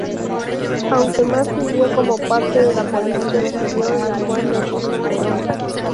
Aunque más sirvió como parte de la política exterior de Juan Domingo Perón.